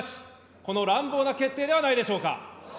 この乱暴な決定ではないでしょうか。